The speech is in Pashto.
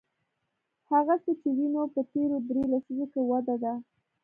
هغه څه چې وینو په تېرو درې لسیزو کې وده ده.